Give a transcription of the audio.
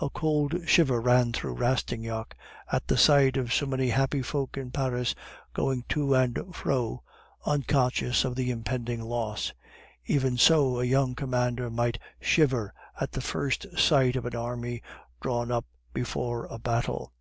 A cold shiver ran through Rastignac at the sight of so many happy folk in Paris going to and fro unconscious of the impending loss; even so a young commander might shiver at the first sight of an army drawn up before a battle.